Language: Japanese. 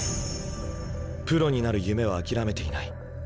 プロになる夢は諦めていない。